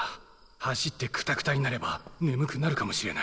走ってくたくたになれば眠くなるかもしれない。